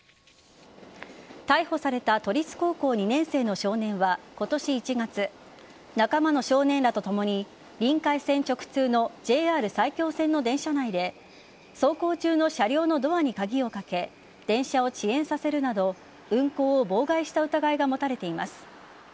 逮捕された都立高校２年生の少年は今年１月仲間の少年らとともにりんかい線直通のＪＲ埼京線の電車内で走行中の車両のドアに鍵をかけ電車を遅延させるなど運行を妨害した疑いが持たれています。